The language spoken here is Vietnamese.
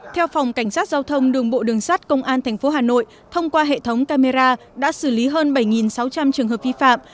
theo phòng cảnh sát giao thông đường bộ đường sát công an tp hà nội thông qua hệ thống camera đã xử lý hơn bảy sáu trăm linh trường hợp vi phạm